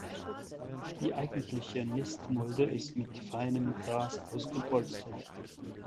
Die eigentliche Nistmulde ist mit feinem Gras ausgepolstert.